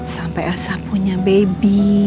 sampai elsa punya baby